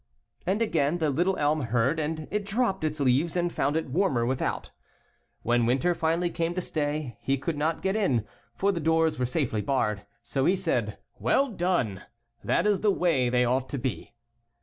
And again the little elm heard and it dropped its leaves and found it warmer without. 17 When Winter finally came to stay he could not get in, for the doors were safely barred. So he said, " Well done. That is the way they ought to be."